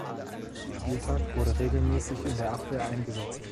Spieltag wurde regelmäßig in der Abwehr eingesetzt.